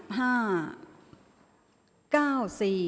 ออกรางวัลที่๖